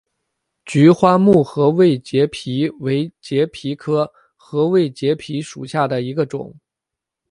菊花木合位节蜱为节蜱科合位节蜱属下的一个种。